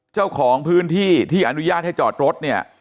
เจ้าของพื้นที่ที่อนุญาตให้จอดรถเนี่ย